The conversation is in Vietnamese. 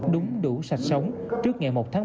đúng đủ sạch sống trước ngày một tháng bảy